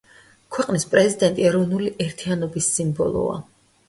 ქვეყნის პრეზიდენტი ეროვნული ერთიანობის სიმბოლოა.